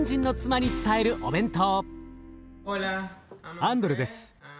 アンドレです。